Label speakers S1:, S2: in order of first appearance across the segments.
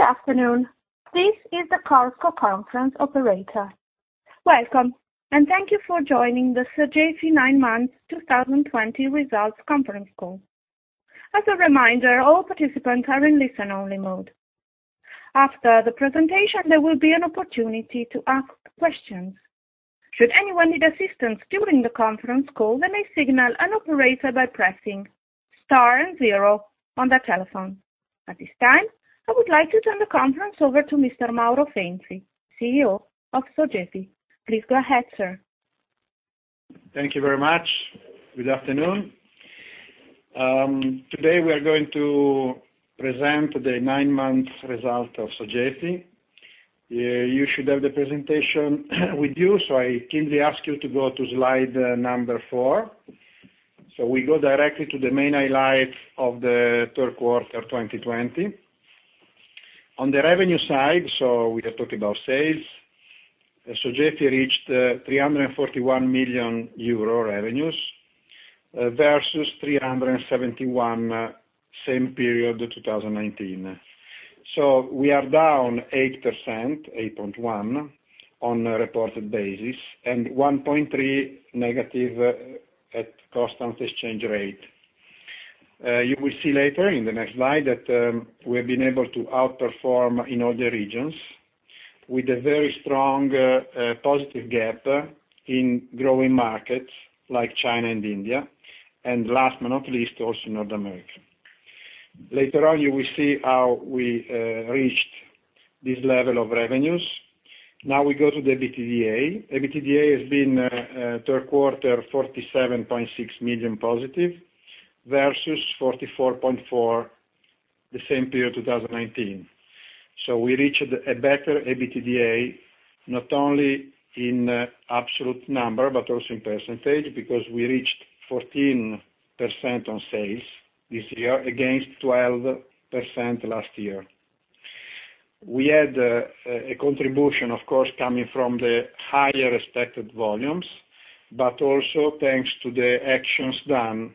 S1: Good afternoon. This is the Chorus Call Conference Operator. Welcome, thank you for joining the Sogefi nine-month 2020 results conference call. As a reminder, all participants are in listen-only mode. After the presentation, there will be an opportunity to ask questions. Should anyone need assistance during the conference call, they may signal an operator by pressing star and zero on their telephone. At this time, I would like to turn the conference over to Mr. Mauro Fenzi, CEO of Sogefi. Please go ahead, Sir.
S2: Thank you very much. Good afternoon. Today, we are going to present the nine-month result of Sogefi. You should have the presentation with you, I kindly ask you to go to slide number four. We go directly to the main highlight of the third quarter 2020. On the revenue side, so we are talking about sales. Sogefi reached 341 million euro revenues versus 371 million same period, 2019. We are down 8%, 8.1% on a reported basis, and -1.3% at constant exchange rate. You will see later in the next slide that we've been able to outperform in all the regions with a very strong, positive gap in growing markets like China and India. Last but not least, also North America. Later on, you will see how we reached this level of revenues. Now we go to the EBITDA. EBITDA has been third quarter +47.6 million versus 44.4 million the same period, 2019. We reached a better EBITDA not only in absolute number, but also in percentage, because we reached 14% on sales this year against 12% last year. We had a contribution, of course, coming from the higher expected volumes, but also thanks to the actions done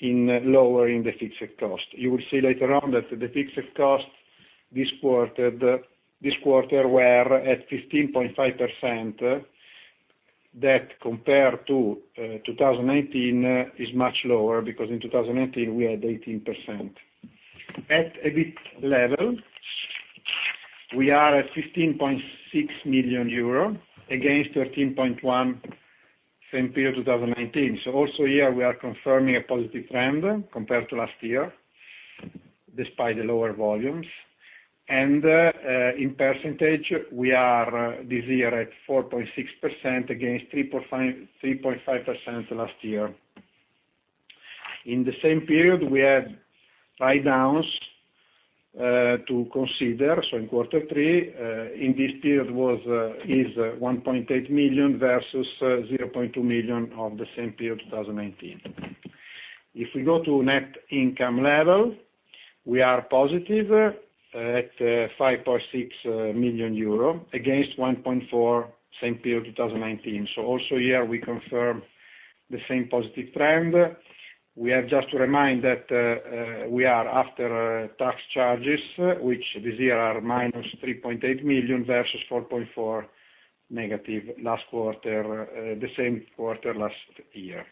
S2: in lowering the fixed costs. You will see later on that the fixed costs this quarter were at 15.5%. That compared to 2019, is much lower because in 2019, we had 18%. At EBIT level, we are at 15.6 million euro against 13.1 million same period, 2019. Also here, we are confirming a positive trend compared to last year, despite the lower volumes. In percentage, we are this year at 4.6% against 3.5% last year. In the same period, we had write-downs to consider. In quarter three, in this period is 1.8 million versus 0.2 million of the same period, 2019. If we go to net income level, we are positive at 5.6 million euro against 1.4 million same period, 2019. Also here, we confirm the same positive trend. We have just to remind that we are after tax charges, which this year are -3.8 million versus -4.4 million the same quarter, last year.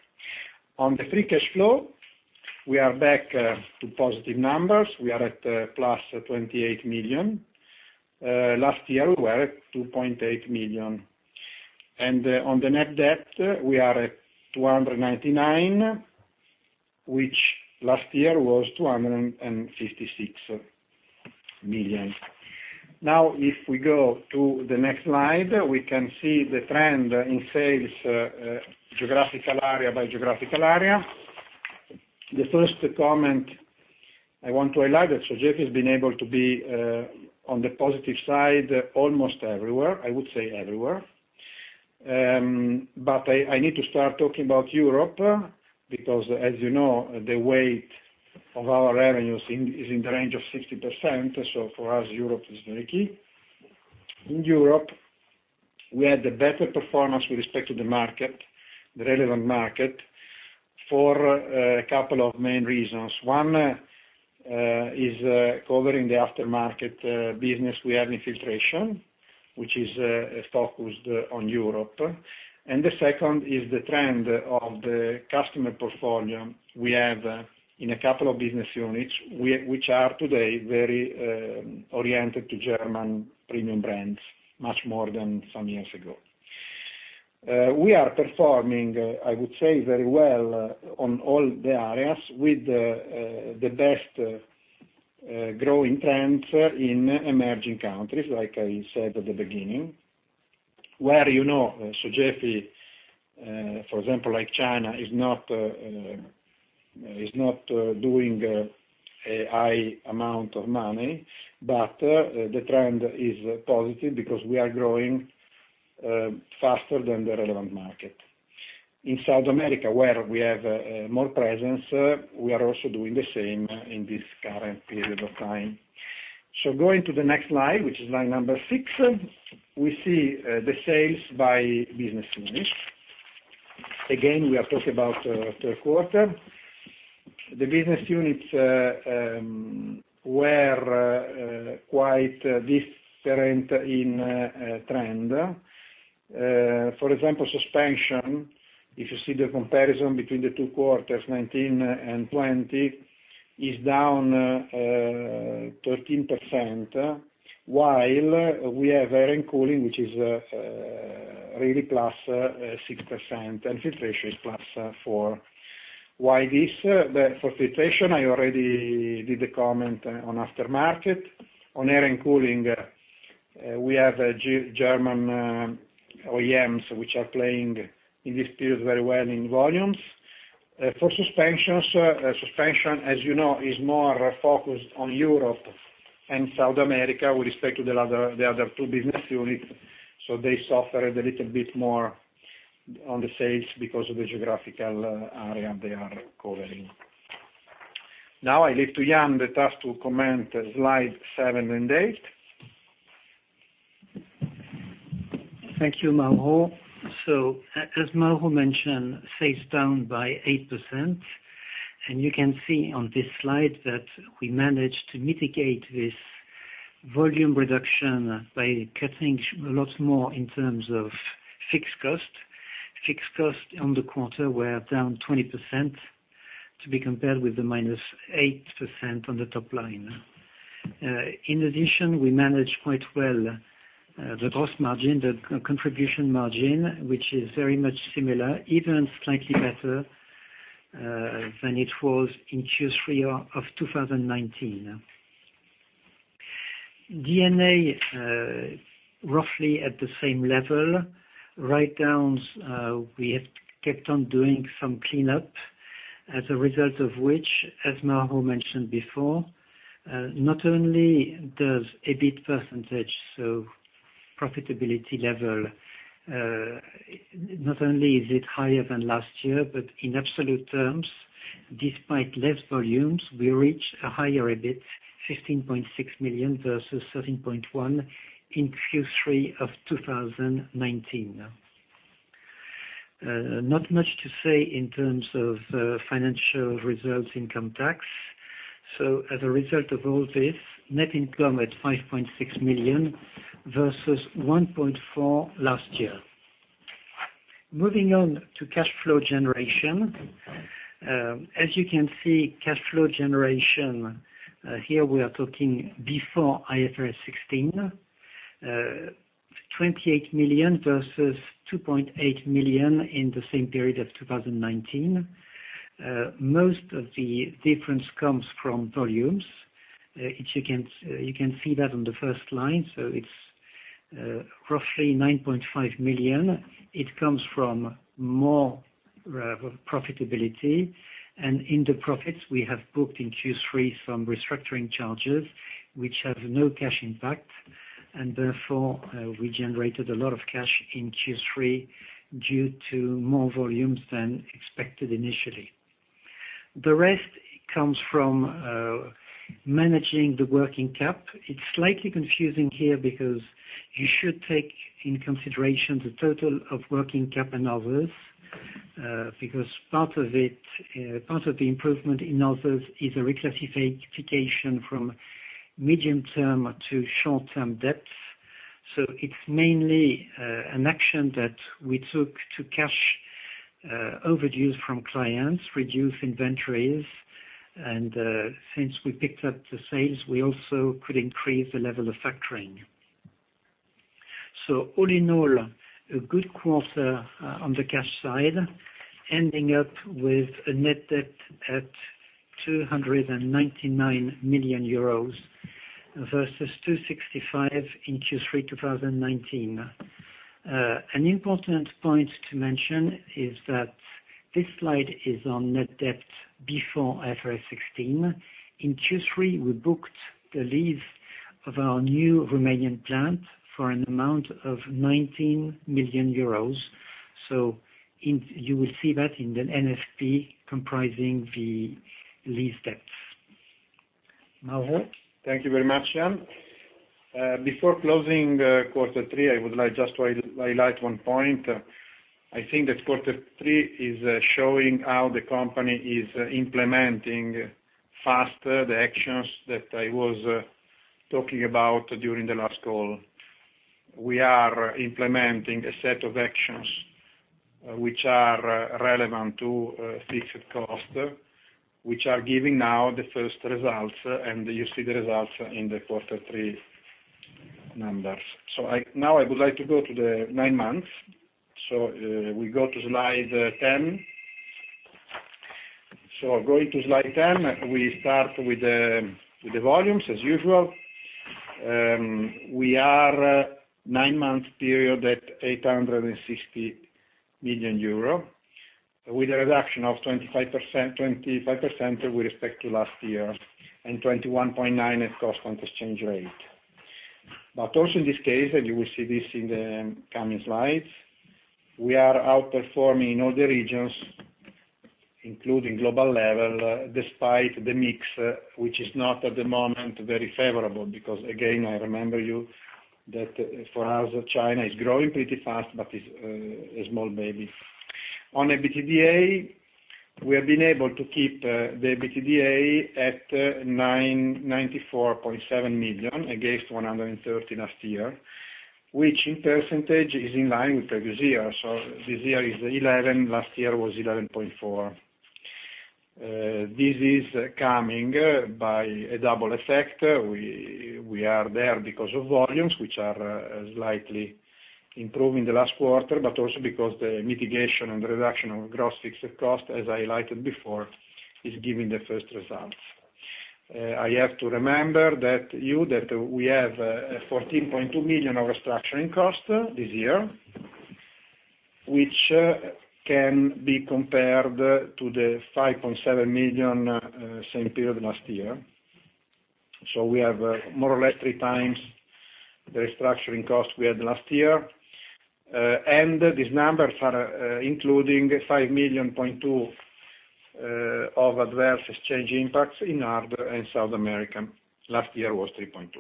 S2: On the free cash flow, we are back to positive numbers. We are at +28 million. Last year, we were at 2.8 million. On the net debt, we are at 299 million, which last year was 256 million. If we go to the next slide, we can see the trend in sales, geographical area by geographical area. The first comment I want to highlight, that Sogefi has been able to be on the positive side almost everywhere, I would say everywhere. I need to start talking about Europe, because as you know, the weight of our revenues is in the range of 60%, for us, Europe is very key. In Europe, we had the better performance with respect to the market, the relevant market, for a couple of main reasons. One, is covering the aftermarket business we have in Filtration, which is focused on Europe. The second is the trend of the customer portfolio we have in a couple of business units, which are today very oriented to German premium brands, much more than some years ago. We are performing, I would say, very well on all the areas with the best growing trends in emerging countries, like I said at the beginning, where Sogefi, for example, like China, is not doing a high amount of money. The trend is positive because we are growing faster than the relevant market. In South America, where we have more presence, we are also doing the same in this current period of time. Going to the next slide, which is slide number six, we see the sales by business units. Again, we are talking about third quarter. The business units were quite different in trend. For example, Suspension, if you see the comparison between the two quarters, 2019 and 2020, is down 13%, while we have Air & Cooling, which is really +6%, and Filtration is +4%. Why this? For Filtration, I already did a comment on aftermarket. On Air & Cooling, we have German OEMs, which are playing in this period very well in volumes. For Suspension, as you know, is more focused on Europe and South America with respect to the other two business units, so they suffered a little bit more on the sales because of the geographical area they are covering. Now I leave to Yann the task to comment slide seven and eight.
S3: Thank you, Mauro. As Mauro mentioned, sales down by 8%. You can see on this slide that we managed to mitigate this volume reduction by cutting a lot more in terms of fixed cost. Fixed cost on the quarter were down 20%, to be compared with the -8% on the top line. In addition, we managed quite well the gross margin, the contribution margin, which is very much similar, even slightly better than it was in Q3 of 2019. D&A, roughly at the same level. Write-downs, we have kept on doing some cleanup, as a result of which, as Mauro mentioned before, not only does EBIT percentage, so profitability level, not only is it higher than last year, but in absolute terms, despite less volumes, we reached a higher EBIT, 15.6 million versus 13.1 million in Q3 of 2019. Not much to say in terms of financial results income tax. As a result of all this, net income at 5.6 million versus 1.4 million last year. Moving on to cash flow generation. As you can see, cash flow generation, here we are talking before IFRS 16, 28 million versus 2.8 million in the same period of 2019. Most of the difference comes from volumes. You can see that on the first line. It's roughly 9.5 million. It comes from more profitability, and in the profits, we have booked in Q3 some restructuring charges, which have no cash impact, and therefore, we generated a lot of cash in Q3 due to more volumes than expected initially. The rest comes from managing the working cap. It's slightly confusing here because you should take into consideration the total of working cap and others, because part of the improvement in others is a reclassification from medium-term to short-term debts. It's mainly an action that we took to cash overdues from clients, reduce inventories, and since we picked up the sales, we also could increase the level of factoring. All-in-all, a good quarter on the cash side, ending up with a net debt at 299 million euros versus 265 million in Q3 2019. An important point to mention is that this slide is on net debt before IFRS 16. In Q3, we booked the lease of our new Romanian plant for an amount of 19 million euros. You will see that in the NFP comprising the lease debts. Mauro?
S2: Thank you very much, Yann. Before closing quarter three, I would like just to highlight one point. I think that quarter three is showing how the company is implementing faster the actions that I was talking about during the last call. We are implementing a set of actions which are relevant to fixed cost, which are giving now the first results, and you see the results in the quarter three numbers. Now I would like to go to the nine months. We go to slide 10. Going to slide 10, we start with the volumes, as usual. We are nine-month period at 860 million euro, with a reduction of 25% with respect to last year and 21.9% at constant exchange rate. Also in this case, and you will see this in the coming slides, we are outperforming all the regions. Including global level, despite the mix, which is not, at the moment, very favorable, because again, I remember you that for us, China is growing pretty fast, but is a small baby. On EBITDA, we have been able to keep the EBITDA at 94.7 million against 130 million last year, which in percentage is in line with the previous year. This year is 11%, last year was 11.4%. This is coming by a double effect. We are there because of volumes, which are slightly improving the last quarter, also because the mitigation and reduction of gross fixed cost, as highlighted before, is giving the first results. I have to remember you that we have 14.2 million of restructuring cost this year, which can be compared to the 5.7 million same period last year. We have more or less 3x the restructuring cost we had last year. These numbers are including 5.2 million of adverse exchange impacts in South America. Last year was 3.2 million.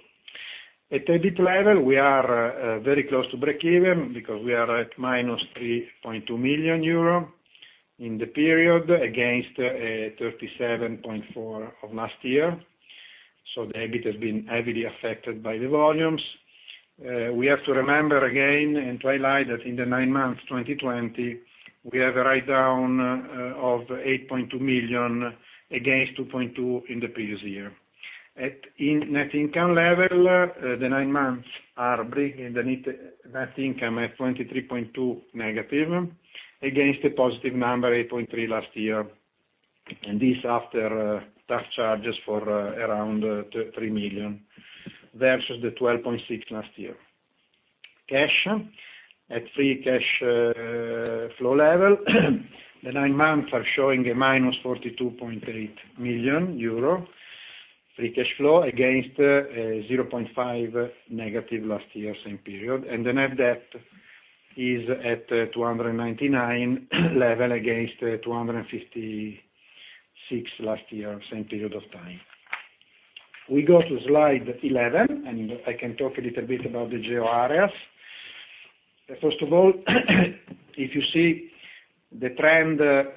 S2: At EBIT level, we are very close to break-even, because we are at -3.2 million euro in the period, against 37.4 million of last year. The EBIT has been heavily affected by the volumes. We have to remember again, and to highlight, that in the nine months 2020, we have a write-down of 8.2 million against 2.2 million in the previous year. At net income level, the nine months are bringing the net income at -23.2 million, against a positive number, 8.3 million last year. This after tax charges for around 3 million versus the 12.6 million last year. Cash at free cash flow level, the nine months are showing a -42.3 million euro free cash flow, against -0.5 million last year, same period. The net debt is at 299 million level against 256 million last year, same period of time. We go to slide 11. I can talk a little bit about the geo areas. First of all, if you remember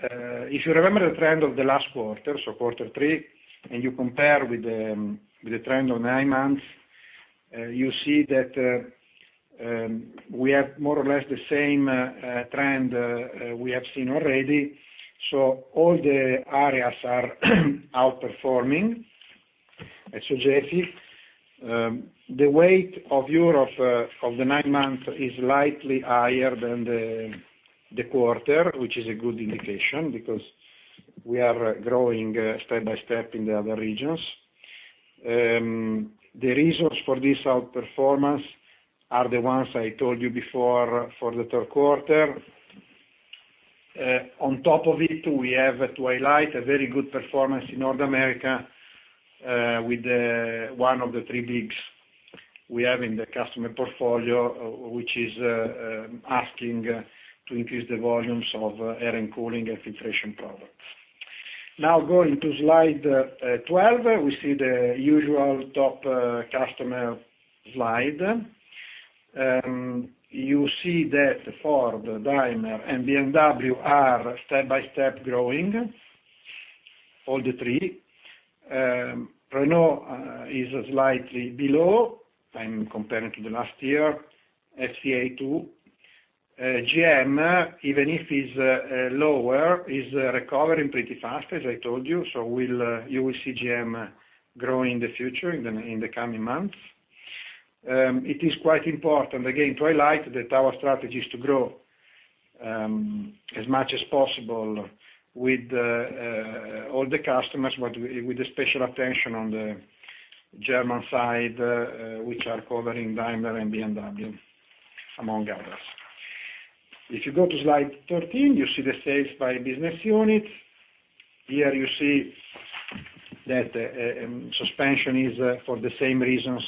S2: the trend of the last quarter, so quarter three. You compare with the trend of nine months, you see that we have more or less the same trend we have seen already. All the areas are outperforming Sogefi. The weight of Europe of the nine months is slightly higher than the quarter, which is a good indication, because we are growing step by step in the other regions. The reasons for this outperformance are the ones I told you before for the third quarter. On top of it, we have to highlight a very good performance in North America, with one of the three bigs we have in the customer portfolio, which is asking to increase the volumes of Air & Cooling and Filtration products. Going to slide 12. We see the usual top customer slide. You see that Ford, Daimler, and BMW are step by step growing, all the three. Renault is slightly below, I'm comparing to the last year, FCA, too. GM, even if it's lower, is recovering pretty fast, as I told you. You will see GM grow in the future, in the coming months. It is quite important, again, to highlight that our strategy is to grow as much as possible with all the customers, but with a special attention on the German side, which are covering Daimler and BMW, among others. If you go to slide 13, you see the sales by business unit. Here you see that Suspension is, for the same reasons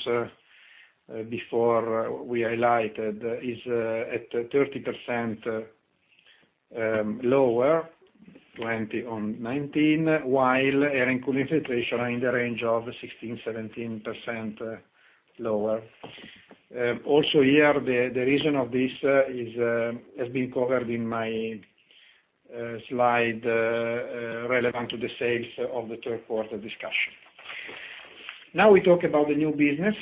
S2: before we highlighted, is at 30% lower, 2020 on 2019, while Air & Cooling & Filtration are in the range of 16%-17% lower. Also here, the reason of this has been covered in my slide, relevant to the sales of the third quarter discussion. Now we talk about the new business.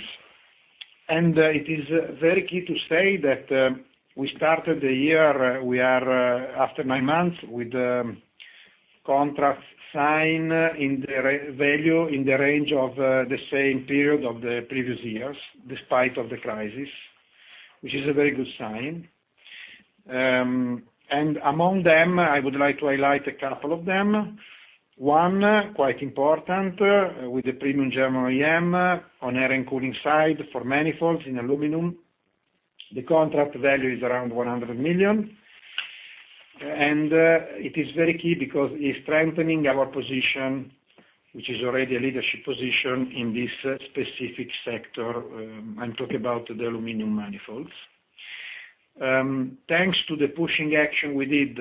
S2: It is very key to say that we started the year, we are after nine months, with contract signed in the range of the same period of the previous years, despite of the crisis, which is a very good sign. Among them, I would like to highlight a couple of them. One, quite important, with a premium German OEM, on Air & Cooling side for manifolds in aluminum. The contract value is around 100 million. It is very key because it's strengthening our position, which is already a leadership position, in this specific sector. I'm talking about the aluminum manifolds. Thanks to the pushing action we did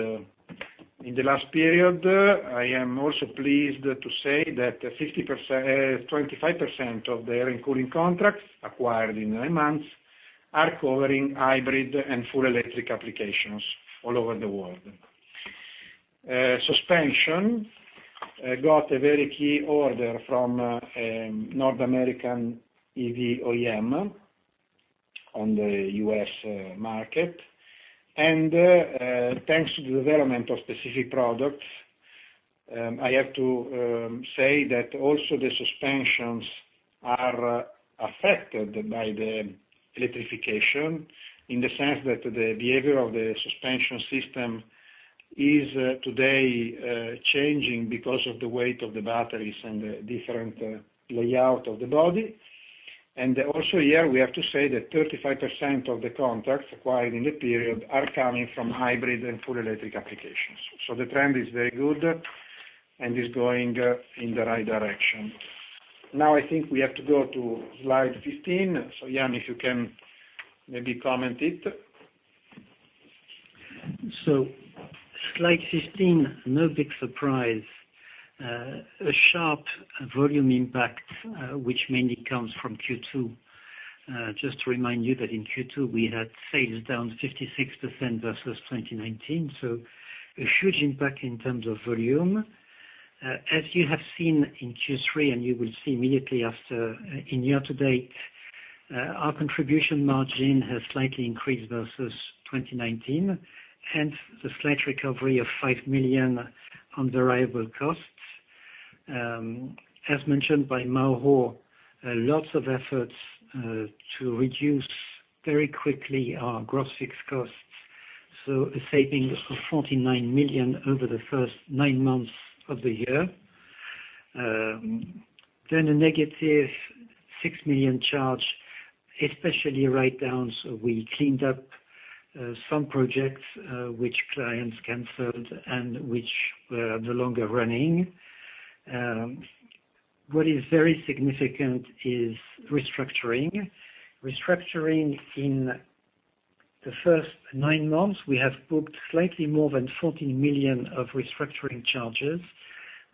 S2: in the last period, I am also pleased to say that 25% of the Air & Cooling contracts acquired in nine months are covering hybrid and full electric applications all over the world. Suspension got a very key order from a North American EV OEM on the U.S. market. Thanks to the development of specific products, I have to say that also the Suspensions are affected by the electrification, in the sense that the behavior of the Suspension system is today changing because of the weight of the batteries and the different layout of the body. Also here, we have to say that 35% of the contracts acquired in the period are coming from hybrid and full electric applications. The trend is very good and is going in the right direction. Now, I think we have to go to slide 15. Yann, if you can maybe comment it.
S3: Slide 15, no big surprise. A sharp volume impact, which mainly comes from Q2. Just to remind you that in Q2, we had sales down 56% versus 2019, a huge impact in terms of volume. As you have seen in Q3, and you will see immediately after in year-to-date, our contribution margin has slightly increased versus 2019, hence the slight recovery of 5 million on variable costs. As mentioned by Mauro, lots of efforts to reduce very quickly our gross fixed costs, a saving of 49 million over the first nine months of the year. A -6 million charge, especially write-downs. We cleaned up some projects, which clients canceled and which were no longer running. What is very significant is restructuring. Restructuring in the first nine months, we have booked slightly more than 14 million of restructuring charges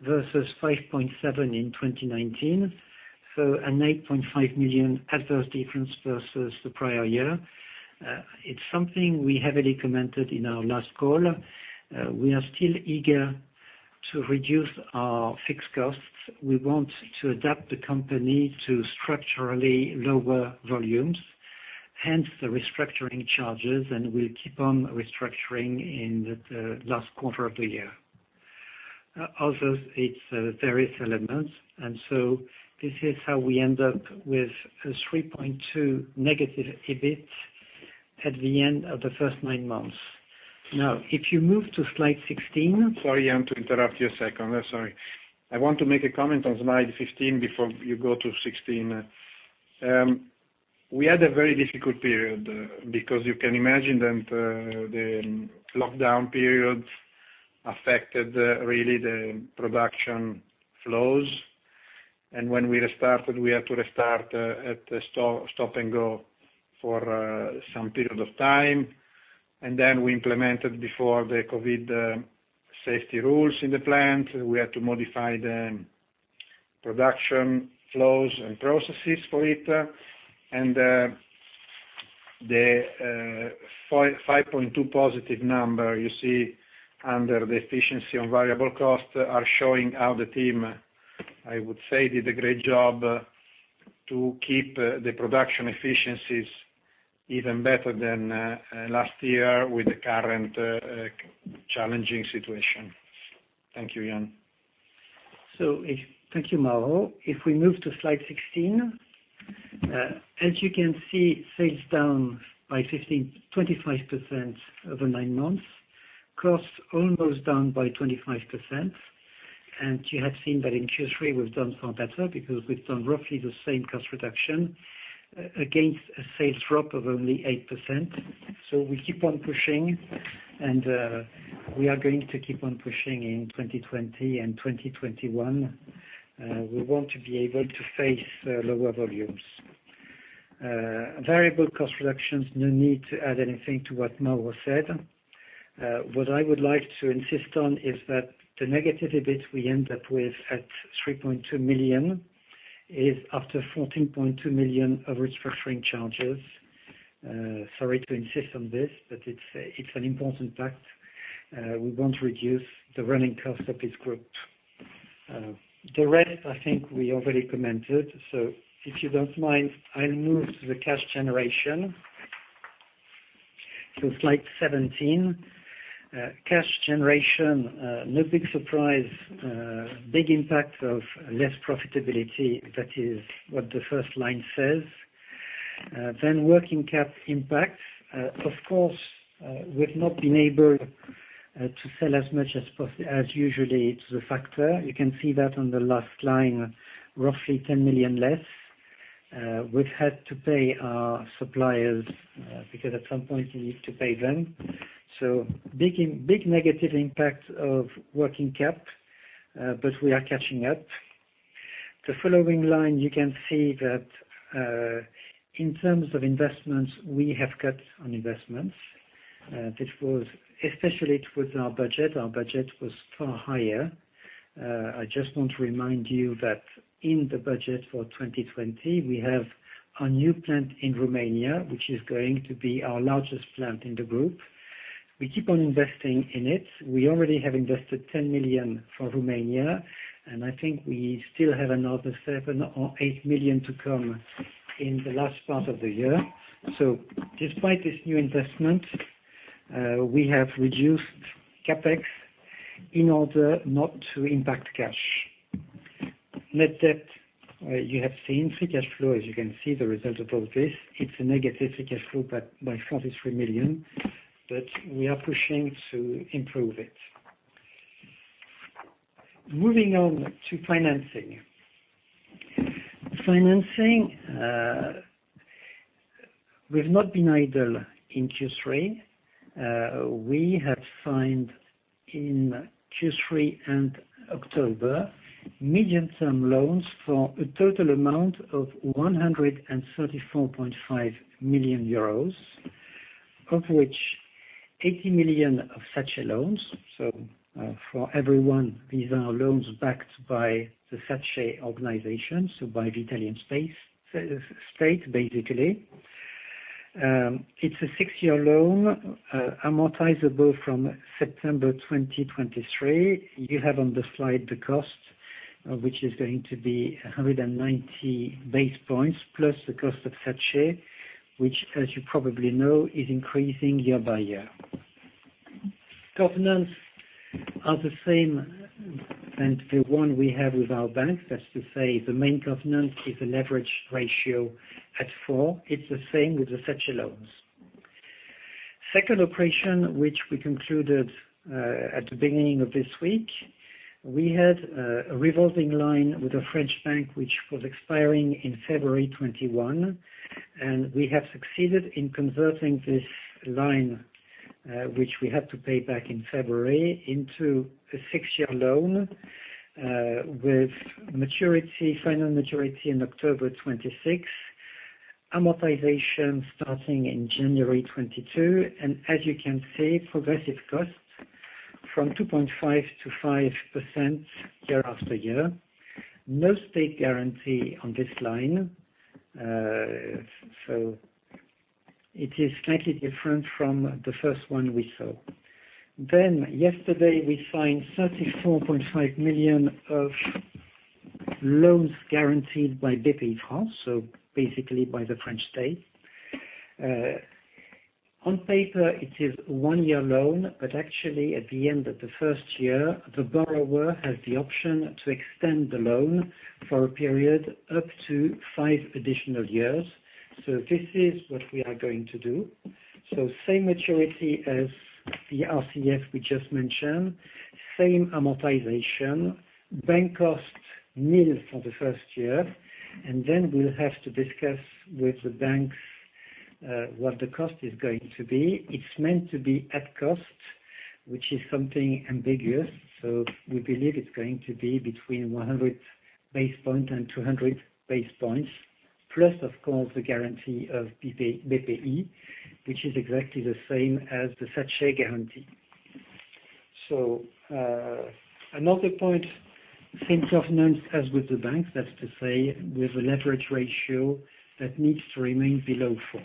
S3: versus 5.7 million in 2019, an 8.5 million adverse difference versus the prior year. It's something we heavily commented in our last call. We are still eager to reduce our fixed costs. We want to adapt the company to structurally lower volumes, hence the restructuring charges, and we'll keep on restructuring in the last quarter of the year. Also, it's various elements, and so this is how we end up with a -3.2 million EBIT at the end of the first nine months. Now, if you move to slide 16.
S2: Sorry, Yann, to interrupt you one second. Sorry. I want to make a comment on slide 15 before you go to 16. We had a very difficult period because you can imagine that the lockdown period affected really the production flows. When we restarted, we had to restart at stop-and-go for some period of time. We implemented before the COVID safety rules in the plant, we had to modify the production flows and processes for it. The +5.2 million number you see under the efficiency on variable costs are showing how the team, I would say, did a great job to keep the production efficiencies even better than last year with the current challenging situation. Thank you, Yann.
S3: Thank you, Mauro. If we move to slide 16. As you can see, sales down by 25% over nine months, costs almost down by 25%. You have seen that in Q3, we've done far better because we've done roughly the same cost reduction against a sales drop of only 8%. We keep on pushing, and we are going to keep on pushing in 2020 and 2021. We want to be able to face lower volumes. Variable cost reductions, no need to add anything to what Mauro said. What I would like to insist on is that the negative EBIT we end up with at 3.2 million is after 14.2 million of restructuring charges. Sorry to insist on this, but it's an important fact. We want to reduce the running cost of this group. The rest, I think we already commented. If you don't mind, I'll move to the cash generation. Slide 17. Cash generation, no big surprise. Big impact of less profitability. That is what the first line says. Working cap impact. Of course, we've not been able to sell as much as usually to the factor. You can see that on the last line, roughly 10 million less. We've had to pay our suppliers because at some point you need to pay them. Big negative impact of working cap, but we are catching up. The following line, you can see that, in terms of investments, we have cut on investments. This was especially with our budget. Our budget was far higher. I just want to remind you that in the budget for 2020, we have a new plant in Romania, which is going to be our largest plant in the group. We keep on investing in it. We already have invested 10 million for Romania, and I think we still have another 7 million or 8 million to come in the last part of the year. Despite this new investment, we have reduced CapEx in order not to impact cash. Net debt, you have seen free cash flow. As you can see, the result of all this, it's a negative free cash flow by 33 million, but we are pushing to improve it. Moving on to financing. Financing, we've not been idle in Q3. We have signed in Q3 and October, medium-term loans for a total amount of 134.5 million euros, of which 80 million of SACE loans. For everyone, these are loans backed by the SACE organization, by the Italian state, basically. It's a six-year loan, amortizable from September 2023. You have on the slide the cost, which is going to be 190 basis points plus the cost of SACE, which, as you probably know, is increasing year-by-year. Covenants are the same. The one we have with our banks, that's to say, the main covenant is a leverage ratio at four. It's the same with the SACE loans. Second operation, which we concluded at the beginning of this week. We had a revolving line with a French bank, which was expiring in February 2021. We have succeeded in converting this line, which we had to pay back in February, into a six-year loan, with final maturity in October 2026. Amortization starting in January 2022. As you can see, progressive costs from 2.5%-5% year-after-year. No state guarantee on this line, it is slightly different from the first one we saw. Yesterday, we signed 34.5 million of loans guaranteed by Bpifrance, so basically by the French state. On paper, it is a one-year loan, but actually, at the end of the first year, the borrower has the option to extend the loan for a period up to five additional years. This is what we are going to do. Same maturity as the RCF we just mentioned. Same amortization. Bank cost, nil for the first year, and then we'll have to discuss with the banks, what the cost is going to be. It's meant to be at cost, which is something ambiguous. We believe it's going to be between 100 basis points and 200 basis points. Plus, of course, the guarantee of BPI, which is exactly the same as the SACE guarantee. Another point, same covenants as with the banks. That's to say, with a leverage ratio that needs to remain below four.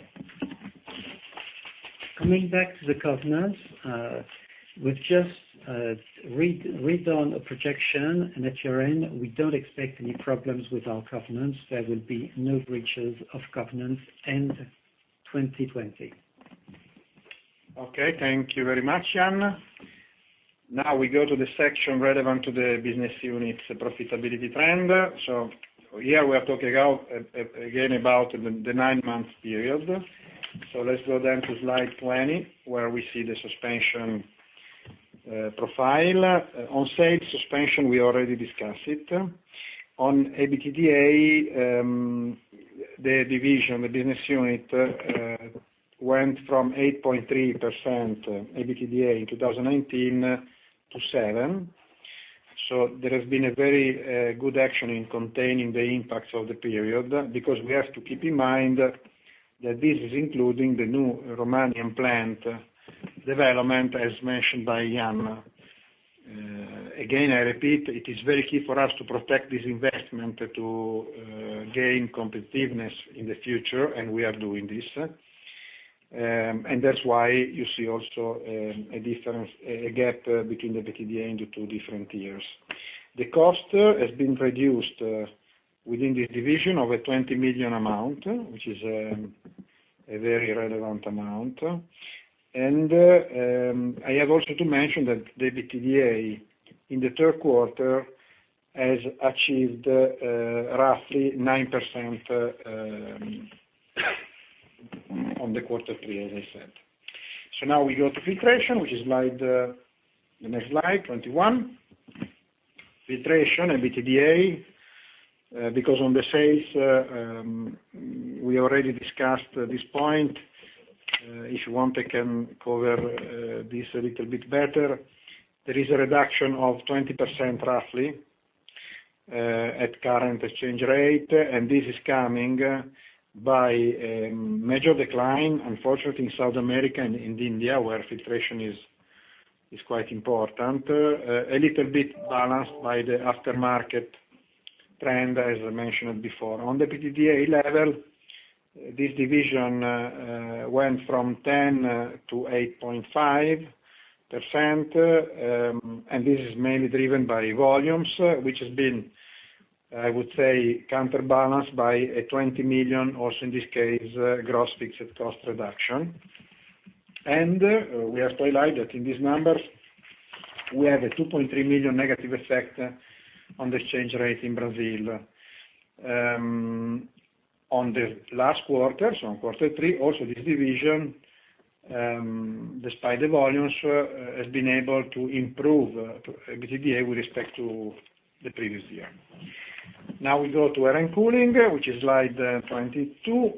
S3: Coming back to the covenants, we've just redone a projection and at year-end, we don't expect any problems with our covenants. There will be no breaches of covenants end 2020.
S2: Okay. Thank you very much, Yann. We go to the section relevant to the business unit's profitability trend. Here we are talking again about the nine-month period. Let's go to slide 20, where we see the Suspension profile. On sales Suspension, we already discussed it. On EBITDA, the division, the business unit, went from 8.3% EBITDA in 2019 to 7%. There has been a very good action in containing the impacts of the period, because we have to keep in mind that this is including the new Romanian plant development, as mentioned by Yann. Again, I repeat, it is very key for us to protect this investment to gain competitiveness in the future, and we are doing this. That's why you see also a difference, a gap between the EBITDA in the two different years. The cost has been reduced within the division of a 20 million amount, which is a very relevant amount. I have also to mention that the EBITDA in the third quarter has achieved roughly 9% on the quarter three, as I said. Now we go to Filtration, which is the next slide, 21. Filtration EBITDA, because on the sales, we already discussed this point. If you want, I can cover this a little bit better. There is a reduction of 20%, roughly, at current exchange rate, and this is coming by a major decline, unfortunately, in South America and in India, where Filtration is quite important. A little bit balanced by the aftermarket trend, as I mentioned before. On the EBITDA level, this division went from 10% to 8.5%, and this is mainly driven by volumes, which has been, I would say, counterbalanced by a 20 million, also in this case, gross fixed cost reduction. We have to highlight that in these numbers, we have a 2.3 million negative effect on the exchange rate in Brazil. On the last quarter, so on quarter three, also this division, despite the volumes, has been able to improve EBITDA with respect to the previous year. Now, we go to Air & Cooling, which is slide 22.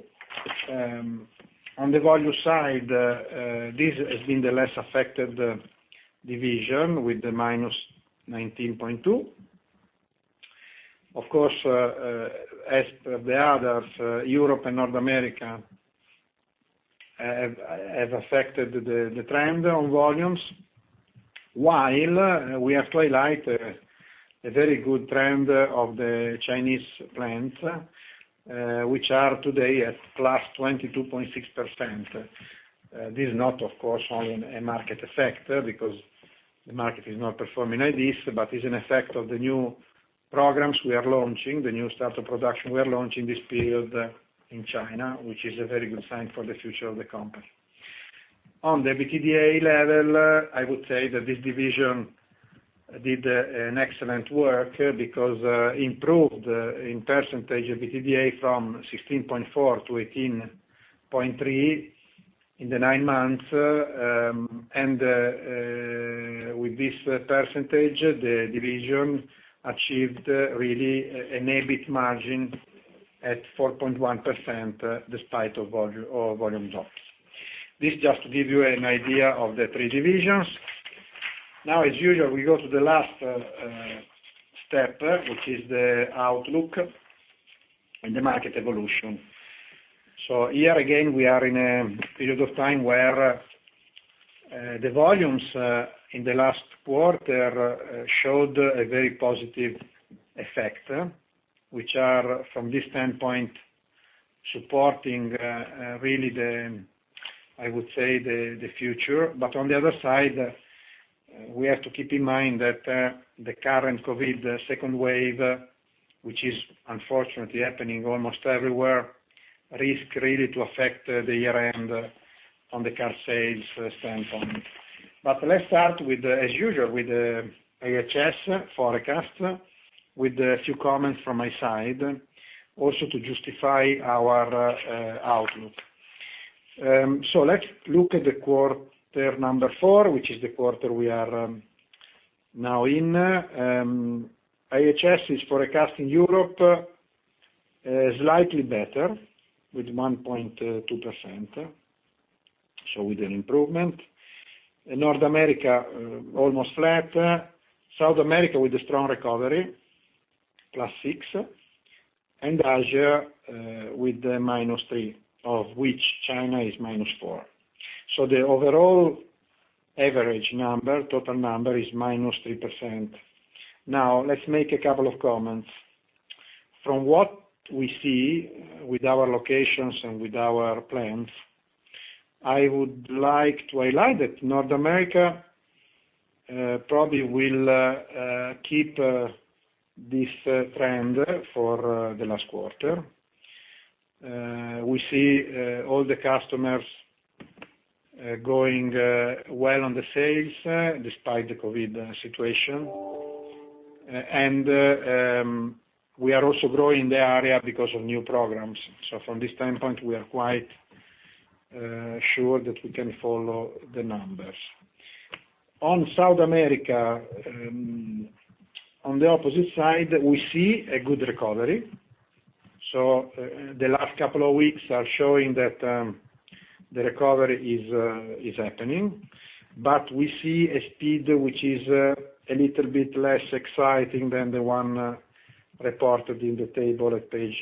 S2: On the volume side, this has been the less affected division with the -19.2%. Of course, as the others, Europe and North America, have affected the trend on volumes, while we have to highlight a very good trend of the Chinese plants, which are today at +22.6%. This is not, of course, only a market effect, because the market is not performing like this, but is an effect of the new programs we are launching, the new start of production we are launching this period in China, which is a very good sign for the future of the company. On the EBITDA level, I would say that this division did an excellent work, because improved in percentage, EBITDA from 16.4%-18.3% in the nine months. With this percentage, the division achieved really an EBIT margin at 4.1%, despite of volume drops. This just give you an idea of the three divisions. As usual, we go to the last step, which is the outlook and the market evolution. Here again, we are in a period of time where the volumes, in the last quarter, showed a very positive effect, which are, from this standpoint, supporting really the, I would say, the future. On the other side, we have to keep in mind that the current COVID, the second wave, which is unfortunately happening almost everywhere, risk really to affect the year-end on the car sales standpoint. Let's start, as usual, with the IHS forecast, with a few comments from my side, also to justify our outlook. Let's look at the quarter number four, which is the quarter we are now in. IHS is forecasting Europe slightly better with 1.2%, so with an improvement. In North America, almost flat. South America with a strong recovery, +6%. And Asia with the -3%, of which China is -4%. The overall average number, total number, is -3%. Let's make a couple of comments. From what we see with our locations and with our plans, I would like to highlight that North America probably will keep this trend for the last quarter. We see all the customers going well on the sales, despite the COVID situation. We are also growing the area because of new programs. From this standpoint, we are quite sure that we can follow the numbers. On South America, on the opposite side, we see a good recovery. The last couple of weeks are showing that the recovery is happening, but we see a speed which is a little bit less exciting than the one reported in the table at page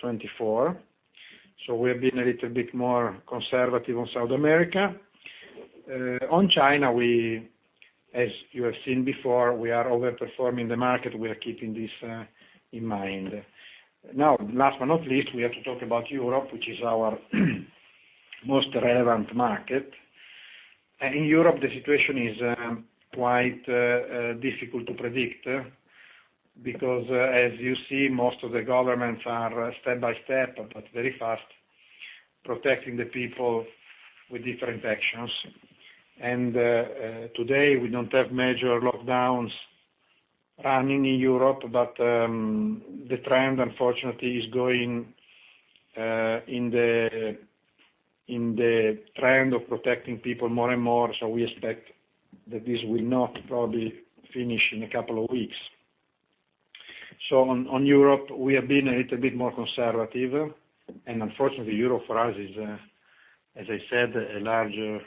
S2: 24. We have been a little bit more conservative on South America. On China, as you have seen before, we are over-performing the market. We are keeping this in mind. Last but not least, we have to talk about Europe, which is our most relevant market. In Europe, the situation is quite difficult to predict, because as you see, most of the governments are step by step, but very fast, protecting the people with different actions. Today, we don't have major lockdowns running in Europe, but the trend, unfortunately, is going in the trend of protecting people more and more. We expect that this will not probably finish in a couple of weeks. On Europe, we have been a little bit more conservative. Unfortunately, Europe for us is, as I said, a larger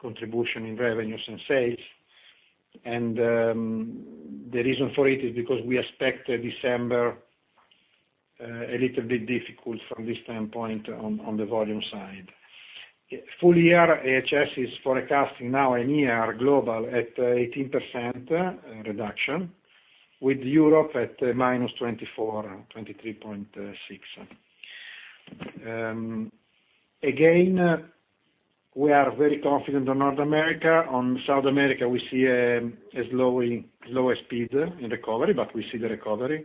S2: contribution in revenues and sales. The reason for it is because we expect December a little bit difficult from this standpoint on the volume side. Full year, IHS is forecasting now an year global at 18% reduction with Europe at -24%, 23.6%. Again, we are very confident on North America. On South America, we see a slower speed in recovery, but we see the recovery.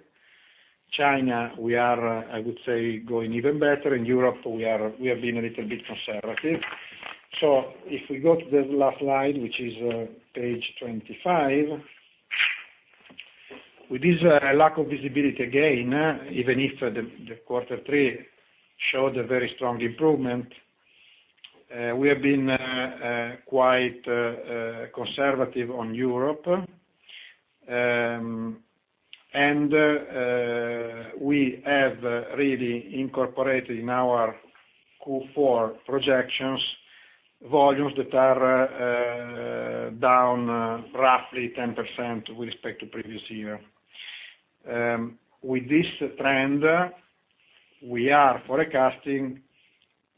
S2: China, we are, I would say, going even better. In Europe, we have been a little bit conservative. If we go to the last slide, which is page 25. With this lack of visibility again, even if the quarter three showed a very strong improvement, we have been quite conservative on Europe. We have really incorporated in our Q4 projections, volumes that are down roughly 10% with respect to previous year. With this trend, we are forecasting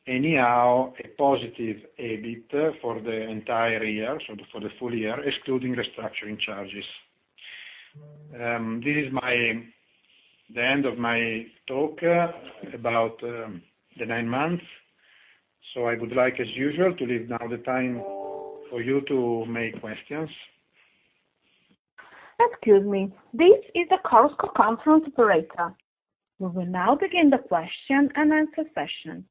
S2: anyhow a positive EBIT for the entire year, so for the full year, excluding restructuring charges. This is the end of my talk about the nine months. I would like, as usual, to leave now the time for you to make questions.
S1: Excuse me. This is the Chorus Call conference Operator. We will now begin the question and answer session.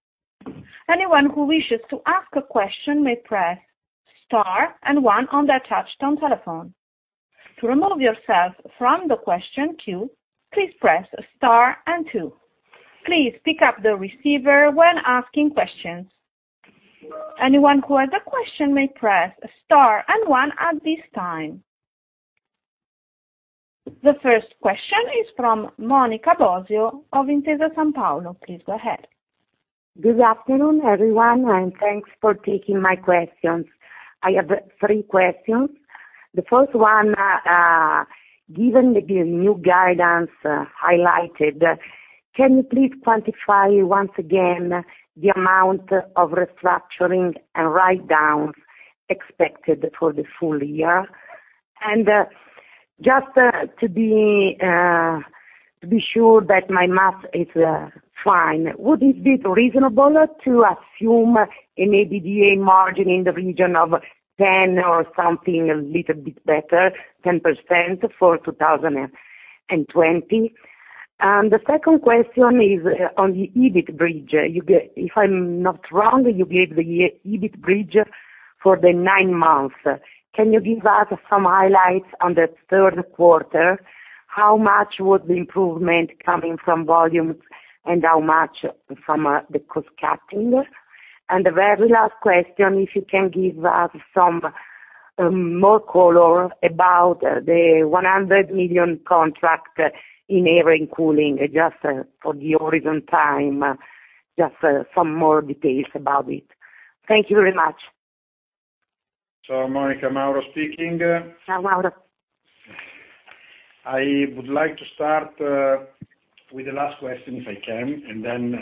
S1: Anyone who wishes to ask a question may press star and one on their touch tone telephone. To remove yourself from the question queue, please press star and two. Please pick up the receiver when asking questions. Anyone who has a question may press star and one at this time. The first question is from Monica Bosio of Intesa Sanpaolo. Please go ahead.
S4: Good afternoon, everyone, thanks for taking my questions. I have three questions. The first one, given the new guidance highlighted, can you please quantify once again the amount of restructuring and write downs expected for the full year? Just to be sure that my math is fine, would it be reasonable to assume an EBITDA margin in the region of 10 or something a little bit better, 10% for 2020? The second question is on the EBIT bridge. If I'm not wrong, you gave the EBIT bridge for the nine months. Can you give us some highlights on the third quarter? How much would the improvement coming from volumes and how much from the cost cutting? The very last question, if you can give us some more color about the 100 million contract in Air & Cooling, just for the origin time, just some more details about it? Thank you very much.
S2: Monica, Mauro speaking.
S4: Hi, Mauro.
S2: I would like to start with the last question, if I can, and then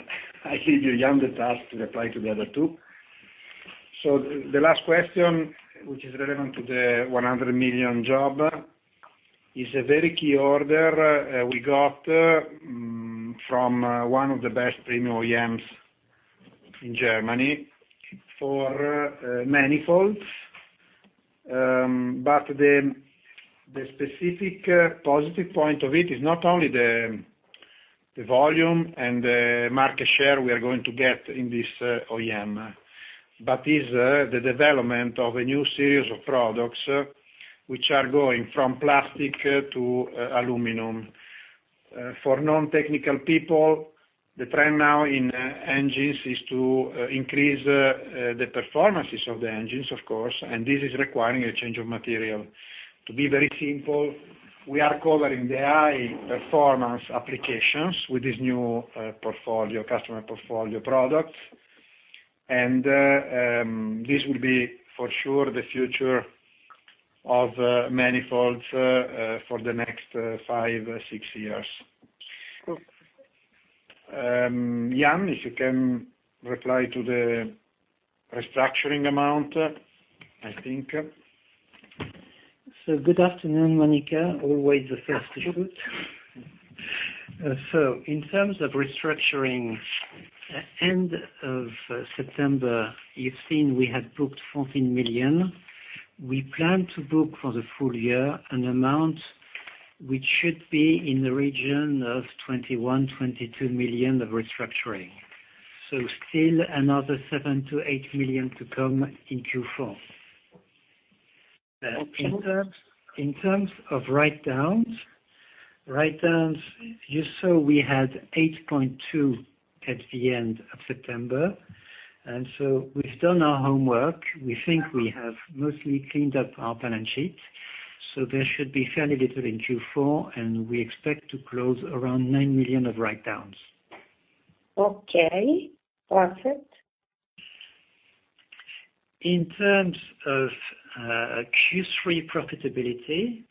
S2: I give Yann the task to reply to the other two. The last question, which is relevant to the 100 million job, is a very key order we got from one of the best premium OEMs in Germany for manifolds. The specific positive point of it is not only the volume and the market share we are going to get in this OEM. Is the development of a new series of products, which are going from plastic to aluminum. For non-technical people, the trend now in engines is to increase the performances of the engines, of course, and this is requiring a change of material. To be very simple, we are covering the high performance applications with this new customer portfolio products. This will be for sure the future of manifolds, for the next five, six years. Yann, if you can reply to the restructuring amount, I think.
S3: Good afternoon, Monica. Always the first to shoot. In terms of restructuring, end of September, you've seen we had booked 14 million. We plan to book for the full year an amount which should be in the region of 21 million-22 million of restructuring. Still another 7 million-8 million to come in Q4. In terms of write-downs, you saw we had 8.2 million at the end of September. We've done our homework. We think we have mostly cleaned up our balance sheet, so there should be fairly little in Q4, and we expect to close around 9 million of write-downs.
S4: Okay, perfect.
S3: In terms of Q3 profitability,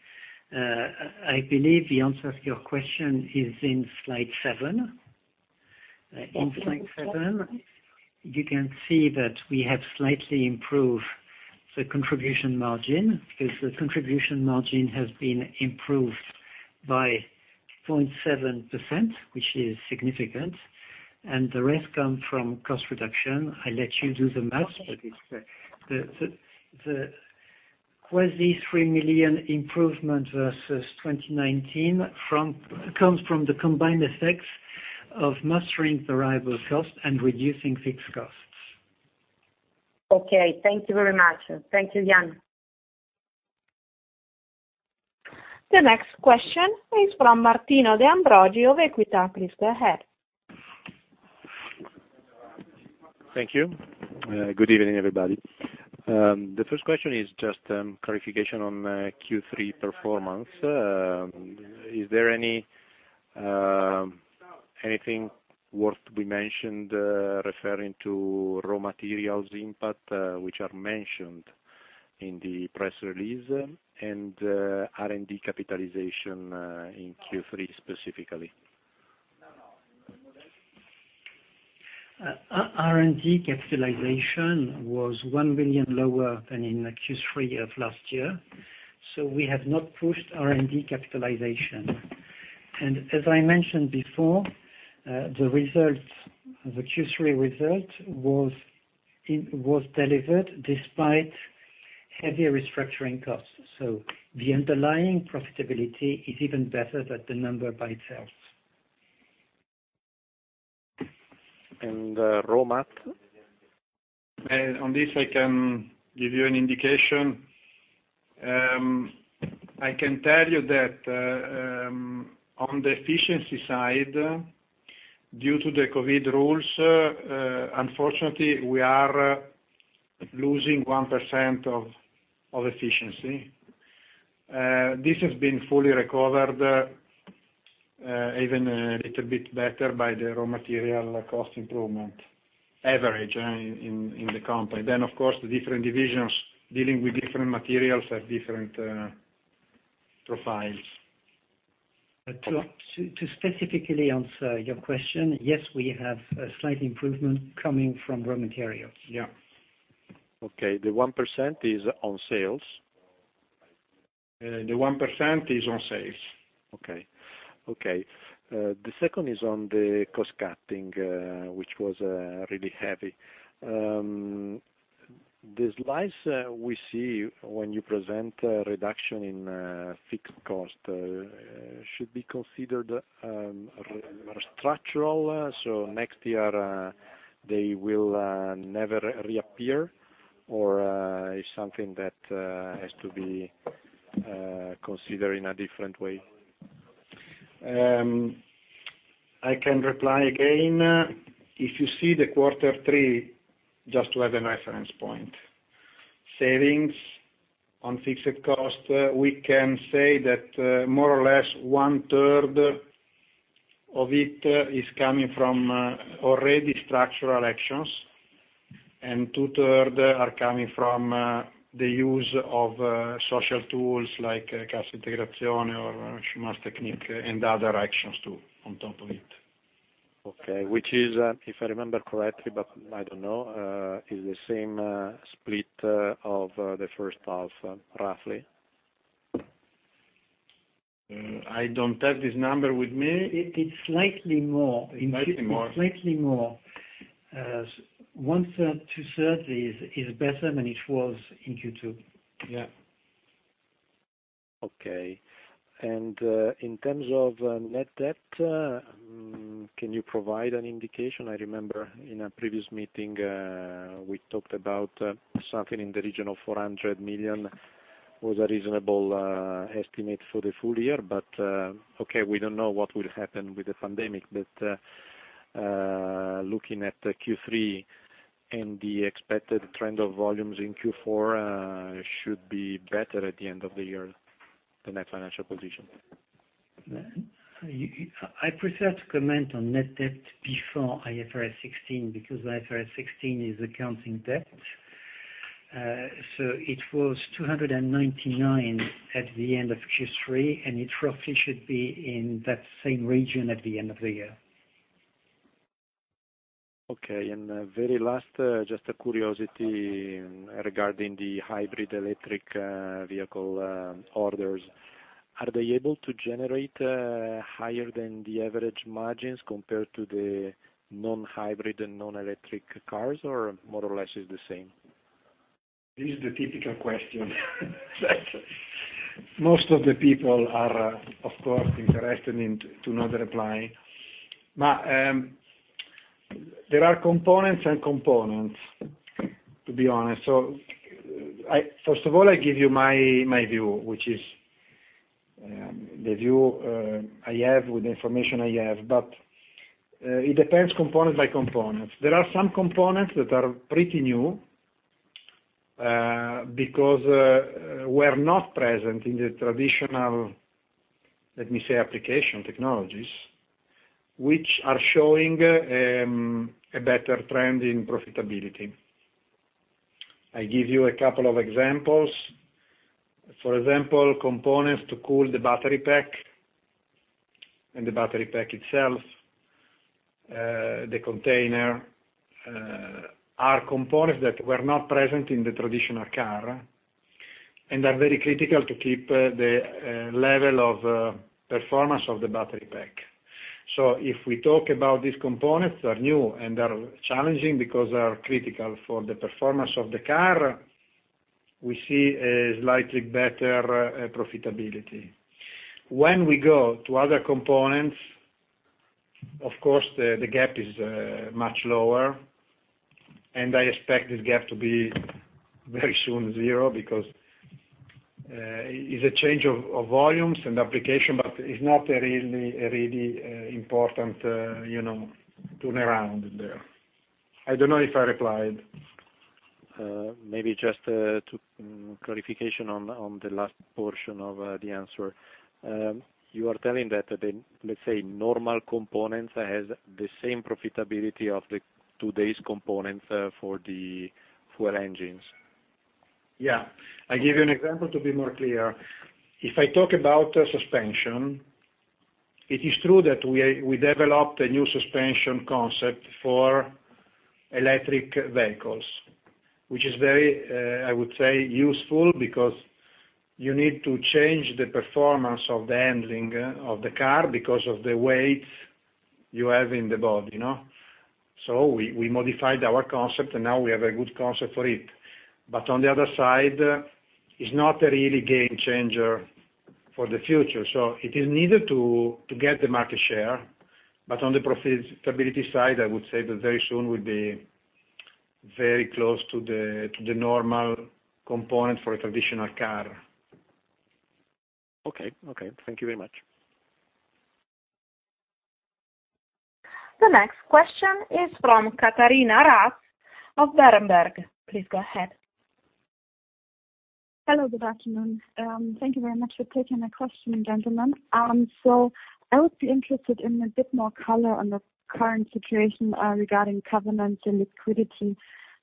S3: I believe the answer to your question is in slide seven. In slide seven, you can see that we have slightly improved the contribution margin, because the contribution margin has been improved by 0.7%, which is significant, and the rest come from cost reduction. I let you do the math. The quasi 3 million improvement versus 2019 comes from the combined effects of mastering the variable cost and reducing fixed costs.
S4: Okay. Thank you very much. Thank you, Yann.
S1: The next question is from Martino De Ambroggi of Equita. Please go ahead.
S5: Thank you. Good evening, everybody. The first question is just clarification on Q3 performance. Is there anything worth to be mentioned referring to raw materials impact, which are mentioned in the press release, and R&D capitalization in Q3 specifically?
S3: R&D capitalization was 1 million lower than in Q3 of last year. We have not pushed R&D capitalization. As I mentioned before, the Q3 result was delivered despite heavy restructuring costs. The underlying profitability is even better than the number by itself.
S5: Raw mat?
S2: On this, I can give you an indication. I can tell you that on the efficiency side, due to the COVID rules, unfortunately, we are losing 1% of efficiency. This has been fully recovered, even a little bit better, by the raw material cost improvement average in the company. Of course, the different divisions dealing with different materials have different profiles.
S3: To specifically answer your question, yes, we have a slight improvement coming from raw materials.
S2: Yeah.
S5: Okay. The 1% is on sales?
S2: The 1% is on sales.
S5: Okay. The second is on the cost cutting, which was really heavy. The slides we see when you present a reduction in fixed cost should be considered structural, so next year they will never reappear, or is something that has to be considered in a different way?
S2: I can reply again. If you see the quarter three, just to have a reference point, savings on fixed cost, we can say that more or less 1/3 of it is coming from already structural actions, and 2/3 are coming from the use of social tools like cassa integrazione or chômage technique and other actions, too, on top of it.
S5: Okay, which is, if I remember correctly, but I don't know, is the same split of the first half, roughly?
S2: I don't have this number with me.
S3: It's slightly more.
S2: Slightly more.
S3: Slightly more. 1/3, 2/3 is better than it was in Q2.
S2: Yeah.
S5: Okay. In terms of net debt, can you provide an indication? I remember in a previous meeting, we talked about something in the region of 400 million was a reasonable estimate for the full year. Okay, we don't know what will happen with the pandemic, but, looking at Q3 and the expected trend of volumes in Q4 should be better at the end of the year, the net financial position?
S3: I prefer to comment on net debt before IFRS 16, because IFRS 16 is accounting debt. It was 299 million at the end of Q3, and it roughly should be in that same region at the end of the year.
S5: Okay. Very last, just a curiosity regarding the hybrid electric vehicle orders. Are they able to generate higher than the average margins compared to the non-hybrid and non-electric cars, or more or less is the same?
S2: This is the typical question. Most of the people are, of course, interested to know the reply. There are components and components, to be honest. First of all, I give you my view. The view I have with the information I have. It depends component by component. There are some components that are pretty new, because were not present in the traditional, let me say, application technologies, which are showing a better trend in profitability. I give you a couple of examples. For example, components to cool the battery pack and the battery pack itself, the container, are components that were not present in the traditional car, and are very critical to keep the level of performance of the battery pack. If we talk about these components that are new and are challenging because they are critical for the performance of the car, we see a slightly better profitability. When we go to other components, of course, the gap is much lower, and I expect this gap to be very soon zero, because it's a change of volumes and application, but it's not a really important turnaround there. I don't know if I replied.
S5: Maybe just to clarification on the last portion of the answer. You are telling that, let's say, normal components has the same profitability of the today's components for the fuel engines?
S2: Yeah. I give you an example to be more clear. If I talk about Suspension, it is true that we developed a new Suspension concept for electric vehicles, which is very, I would say, useful because you need to change the performance of the handling of the car because of the weight you have in the body. We modified our concept, and now we have a good concept for it. On the other side, it's not a really game changer for the future. It is needed to get the market share. On the profitability side, I would say that very soon we'll be very close to the normal component for a traditional car.
S5: Okay. Thank you very much.
S1: The next question is from Katharina Raatz of Berenberg. Please go ahead.
S6: Hello, good afternoon. Thank you very much for taking my question, gentlemen. I would be interested in a bit more color on the current situation regarding covenants and liquidity.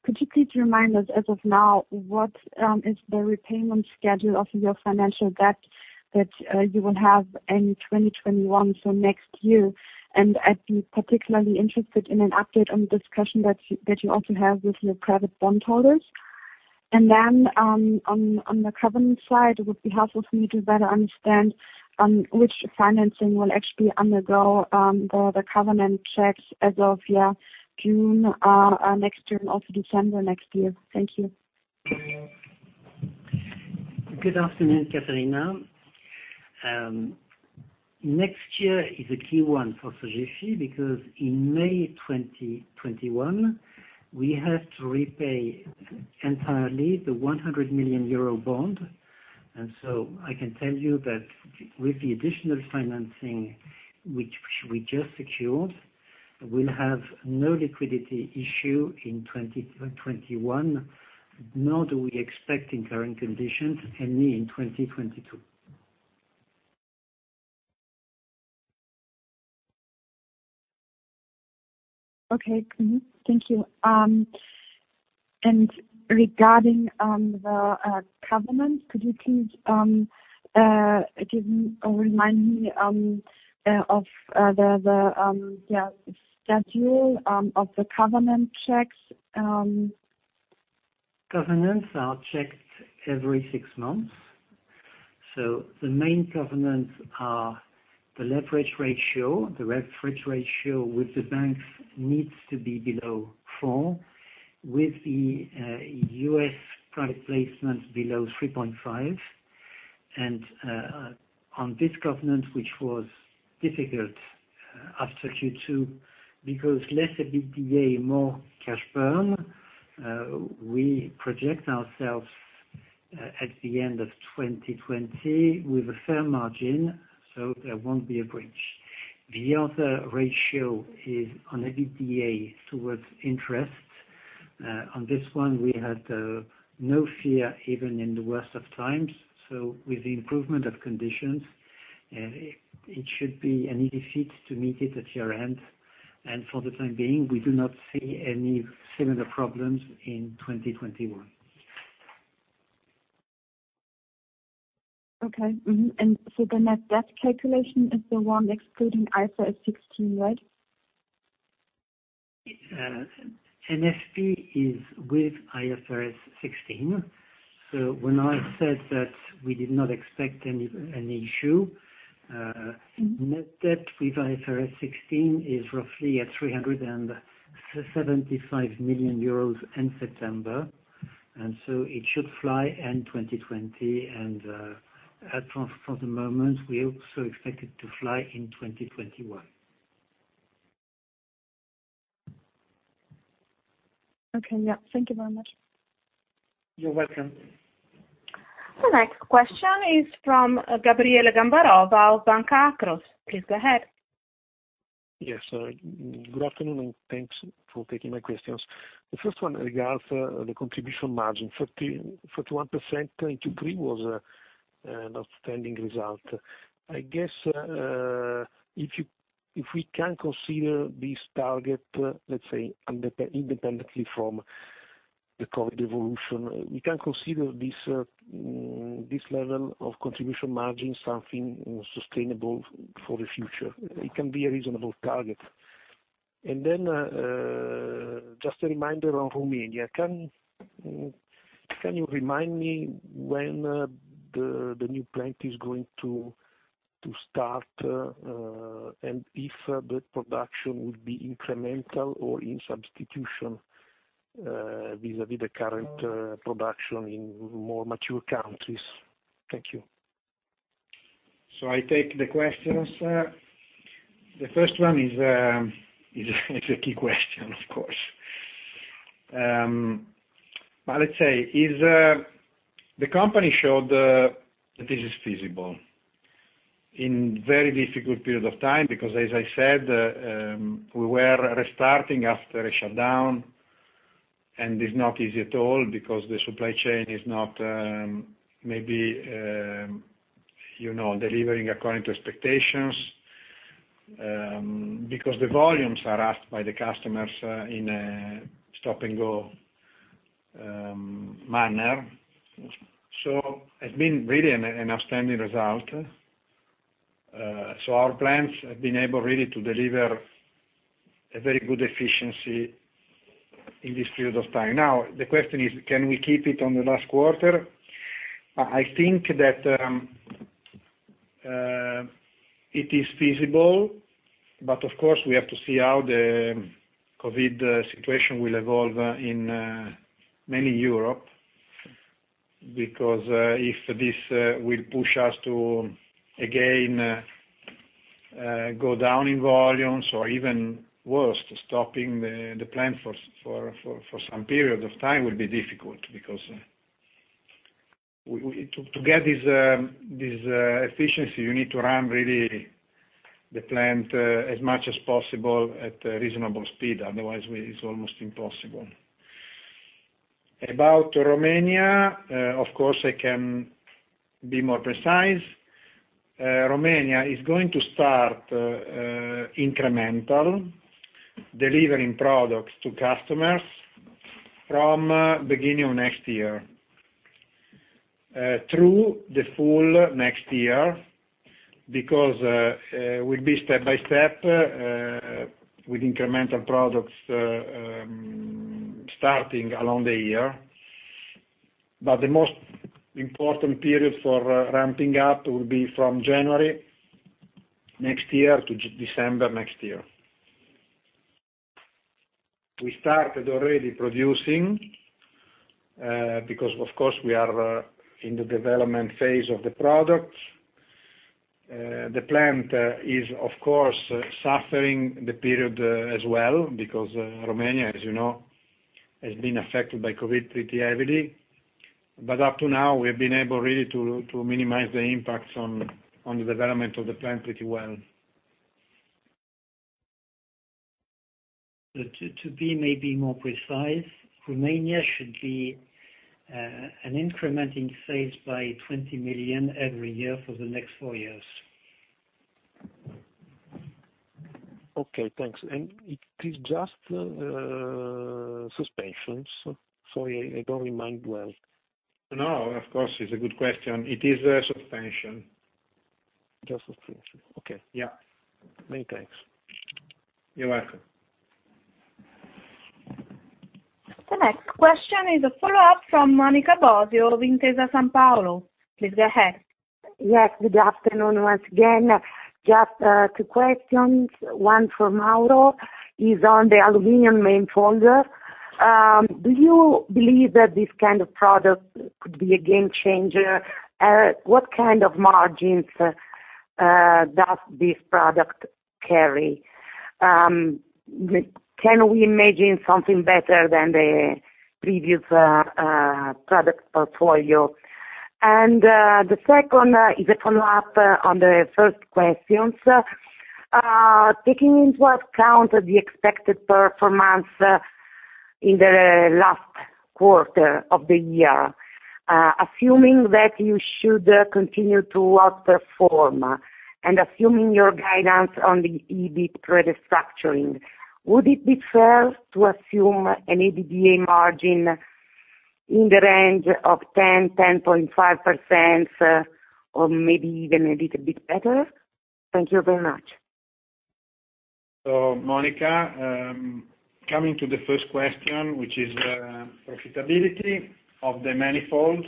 S6: Could you please remind us, as of now, what is the repayment schedule of your financial debt that you will have in 2021, next year? I'd be particularly interested in an update on the discussion that you also have with your private bond holders. Then, on the covenant side, it would be helpful for me to better understand which financing will actually undergo the covenant checks as of June next year and also December next year? Thank you.
S3: Good afternoon, Katharina. Next year is a key one for Sogefi, because in May 2021, we have to repay entirely the 100 million euro bond. I can tell you that with the additional financing which we just secured, we'll have no liquidity issue in 2021, nor do we expect in current conditions any in 2022.
S6: Okay. Thank you. Regarding the covenant, could you please give me a remind me of the schedule of the covenant checks?
S3: Covenants are checked every six months. The main covenants are the leverage ratio. The leverage ratio with the banks needs to be below four, with the U.S. private placements below 3.5. On this covenant, which was difficult after Q2, because less EBITDA, more cash burn, we project ourselves at the end of 2020 with a fair margin, there won't be a breach. The other ratio is on EBITDA towards interest. On this one, we had no fear even in the worst of times. With the improvement of conditions, it should be an easy feat to meet it at year-end. For the time being, we do not see any similar problems in 2021.
S6: Okay. The net debt calculation is the one excluding IFRS 16, right?
S3: NFP is with IFRS 16. When I said that we did not expect any issue, net debt with IFRS 16 is roughly at 375 million euros in September. It should fly end 2020, and for the moment, we also expect it to fly in 2021.
S6: Okay. Yeah. Thank you very much.
S3: You're welcome.
S1: The next question is from Gabriele Gambarova of Banca Akros. Please go ahead.
S7: Yes, good afternoon, thanks for taking my questions. The first one regards the contribution margin. 41% in Q3 was an outstanding result. I guess, if we can consider this target, let's say independently from the COVID evolution, we can consider this level of contribution margin something sustainable for the future. It can be a reasonable target. Just a reminder on Romania, can you remind me when the new plant is going to start, and if that production would be incremental or in substitution, vis-à-vis the current production in more mature countries? Thank you.
S2: I take the questions. The first one is a key question, of course. The company showed that this is feasible in very difficult period of time, because, as I said, we were restarting after a shutdown, and it's not easy at all because the supply chain is not maybe delivering according to expectations, because the volumes are asked by the customers in a stop-and-go manner. It's been really an outstanding result. Our plans have been able really to deliver a very good efficiency in this period of time. The question is, can we keep it on the last quarter? I think that it is feasible, but of course, we have to see how the COVID situation will evolve in mainly Europe, because if this will push us to, again, go down in volumes or even worse, stopping the plan for some period of time will be difficult, because to get this efficiency, you need to run really the plant as much as possible at a reasonable speed. Otherwise, it's almost impossible. About Romania, of course, I can be more precise. Romania is going to start incremental, delivering products to customers from beginning of next year, through the full next year, because it will be step by step, with incremental products starting along the year. The most important period for ramping up will be from January next year to December next year. We started already producing, because of course, we are in the development phase of the product. The plant is, of course, suffering the period as well, because Romania, as you know, has been affected by COVID pretty heavily. Up to now, we've been able really to minimize the impacts on the development of the plant pretty well.
S3: To be maybe more precise, Romania should be an increment in sales by 20 million every year for the next four years.
S7: Okay, thanks. It is just Suspensions? Sorry, I don't remind well.
S2: No, of course, it's a good question. It is a Suspension.
S7: Just Suspension. Okay. Yeah. Many thanks.
S2: You're welcome.
S1: The next question is a follow-up from Monica Bosio of Intesa Sanpaolo. Please go ahead.
S4: Yes, good afternoon once again. Just two questions. One for Mauro, is on the aluminum manifold. Do you believe that this kind of product could be a game changer? What kind of margins does this product carry? Can we imagine something better than the previous product portfolio? The second is a follow-up on the first questions. Taking into account the expected performance in the last quarter of the year, assuming that you should continue to outperform, and assuming your guidance on the EBIT restructuring, would it be fair to assume an EBITDA margin in the range of 10%-10.5%, or maybe even a little bit better? Thank you very much.
S2: Monica, coming to the first question, which is profitability of the manifolds.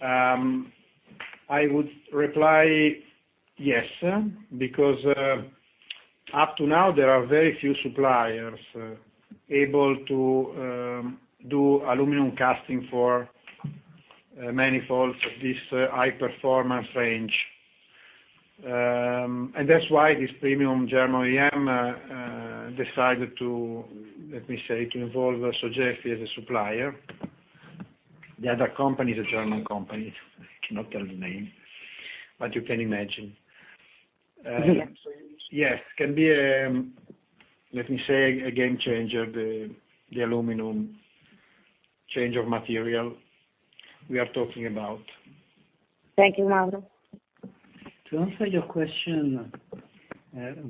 S2: I would reply yes, because up to now, there are very few suppliers able to do aluminum casting for manifolds of this high performance range. That's why this premium German OEM decided to, let me say, to involve Sogefi as a supplier. The other company is a German company. I cannot tell the name, but you can imagine.
S4: Yes.
S2: Yes. Can be, let me say, a game changer, the aluminum change of material we are talking about.
S4: Thank you, Mauro.
S3: To answer your question,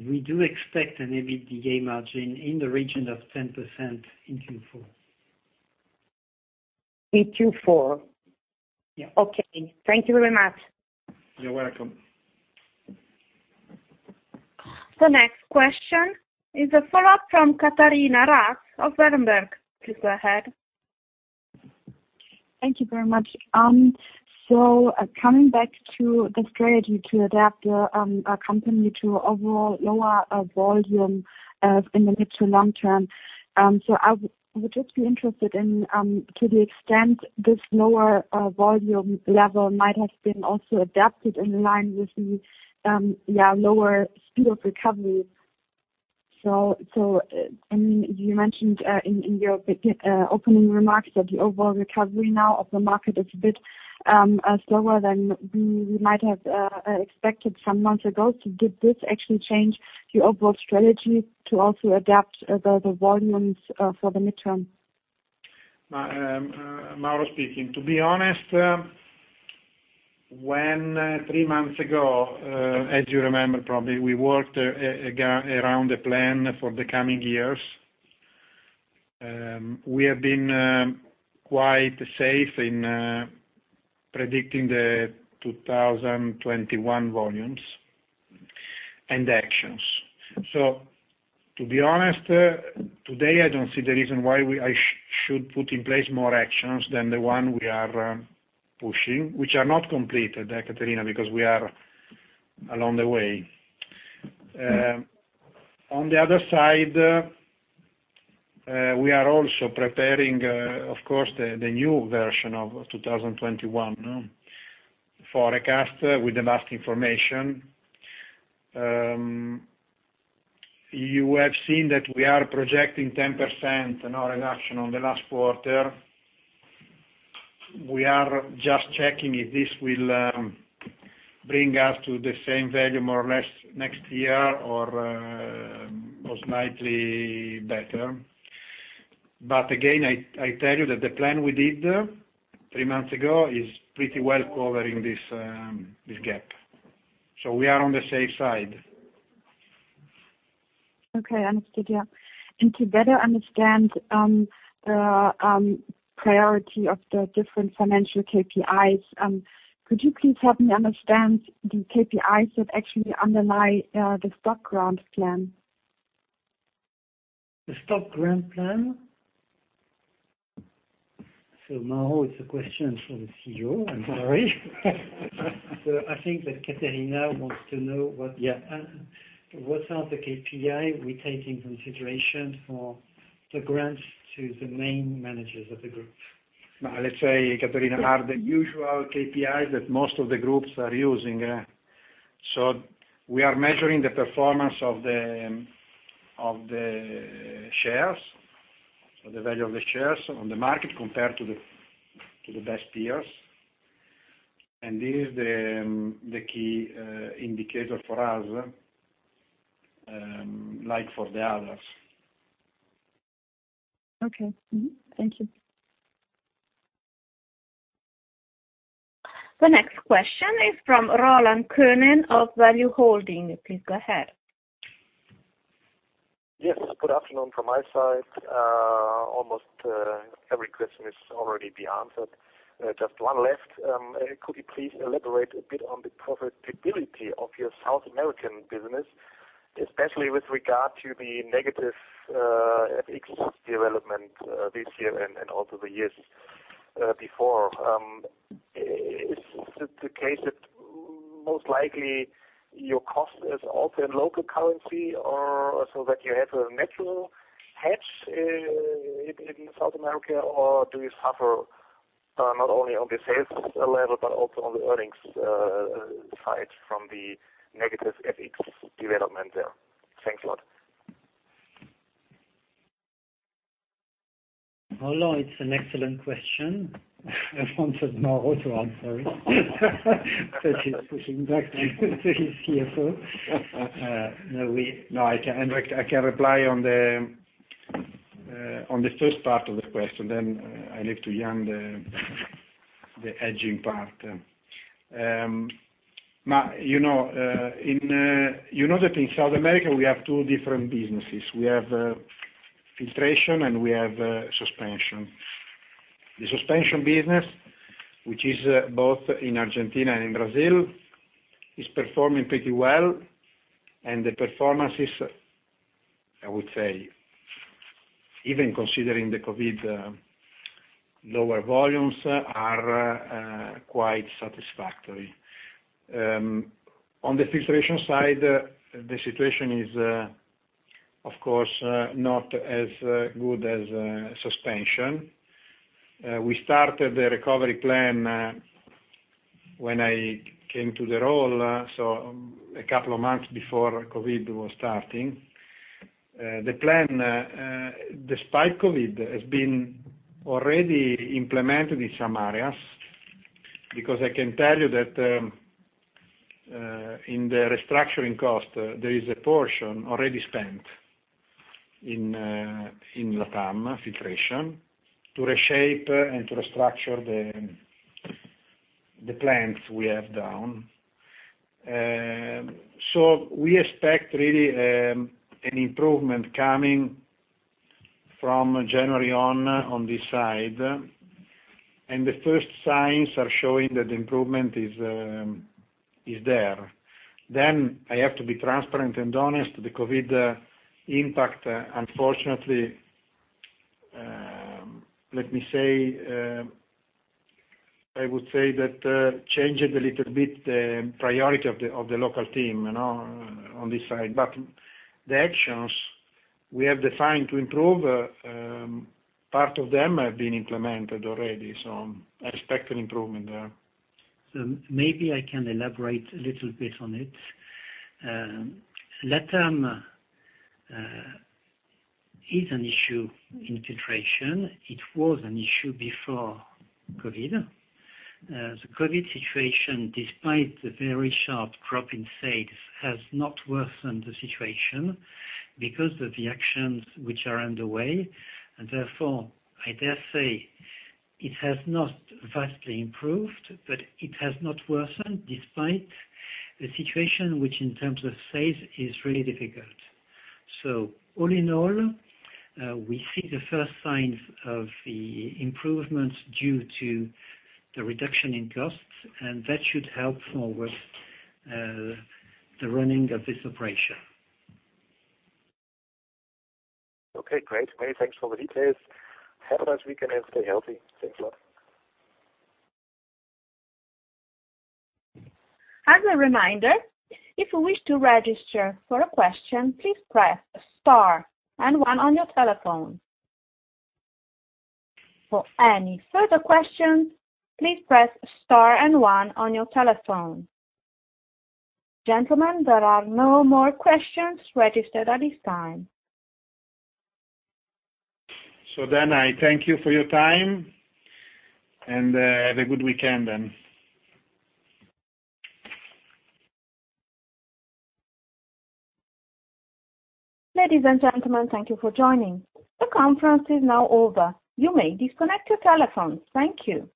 S3: we do expect an EBITDA margin in the region of 10% in Q4.
S4: In Q4?
S3: Yeah.
S4: Okay. Thank you very much.
S2: You're welcome.
S1: The next question is a follow-up from Katharina Raatz of Berenberg. Please go ahead.
S6: Thank you very much. Coming back to the strategy to adapt your company to overall lower volume in the mid to long term. I would just be interested in, to the extent this lower volume level might have been also adapted in line with the lower speed of recovery. You mentioned in your opening remarks that the overall recovery now of the market is a bit slower than we might have expected some months ago. Did this actually change your overall strategy to also adapt the volumes, for the midterm?
S2: Mauro speaking. To be honest, when three months ago, as you remember, probably, we worked around the plan for the coming years. We have been quite safe in predicting the 2021 volumes and actions. To be honest, today, I don't see the reason why I should put in place more actions than the one we are pushing, which are not completed, Katharina, because we are along the way. On the other side, we are also preparing, of course, the new version of 2021 forecast with the last information. You have seen that we are projecting 10% in our [reduction] on the last quarter. We are just checking if this will bring us to the same value more or less next year, or slightly better. Again, I tell you that the plan we did three months ago is pretty well covering this gap. We are on the safe side.
S6: Okay, understood. Yeah. To better understand the priority of the different financial KPIs, could you please help me understand the KPIs that actually underlie the stock grant plan?
S3: The stock grant plan? Mauro, it's a question for the CEO, I'm sorry. I think that Katharina wants to know. Yeah. What are the KPI we take in consideration for the grants to the main managers of the group?
S2: Let's say, Katharina, are the usual KPIs that most of the groups are using. We are measuring the performance of the shares, so the value of the shares on the market compared to the best peers. This is the key indicator for us, like for the others.
S6: Okay. Thank you.
S1: The next question is from Roland Könen of Value-Holdings. Please go ahead.
S8: Yes, good afternoon from my side. Almost every question is already be answered. Just one left. Could you please elaborate a bit on the profitability of your South American business, especially with regard to the negative FX development this year and also the years before. Is it the case that most likely your cost is also in local currency, so that you have a natural hedge in South America? Do you suffer, not only on the sales level, but also on the earnings side from the negative FX development there? Thanks a lot.
S3: Roland, it's an excellent question. I wanted Mauro to answer it. He's pushing back to his CFO.
S2: No, I can reply on the first part of the question, then I leave to Yann the hedging part. You know that in South America we have two different businesses. We have Filtration, and we have Suspension. The Suspension business, which is both in Argentina and in Brazil, is performing pretty well, and the performance is, I would say, even considering the COVID, lower volumes are quite satisfactory. On the Filtration side, the situation is, of course, not as good as Suspension. We started the recovery plan when I came to the role, so a couple of months before COVID was starting. The plan, despite COVID, has been already implemented in some areas, because I can tell you that in the restructuring cost, there is a portion already spent in LatAm Filtration to reshape and to restructure the plants we have down. We expect, really, an improvement coming from January on this side, and the first signs are showing that improvement is there. I have to be transparent and honest, the COVID impact, unfortunately, I would say that changed a little bit the priority of the local team on this side. The actions we have defined to improve, part of them have been implemented already, so I expect an improvement there.
S3: Maybe I can elaborate a little bit on it. LatAm is an issue in Filtration. It was an issue before COVID. The COVID situation, despite the very sharp drop in sales, has not worsened the situation because of the actions which are underway. Therefore, I dare say, it has not vastly improved, but it has not worsened despite the situation, which in terms of sales, is really difficult. All-in-all, we see the first signs of the improvements due to the reduction in costs, and that should help forward the running of this operation.
S8: Okay, great. Many thanks for the details. Have a nice weekend and stay healthy. Thanks a lot.
S1: As a reminder, if you wish to register for a question, please press star and one on your telephone. For any further questions, please press star and one on your telephone. Gentlemen, there are no more questions registered at this time.
S2: I thank you for your time, and have a good weekend then.
S1: Ladies and gentlemen, thank you for joining. The conference is now over. You may disconnect your telephones. Thank you.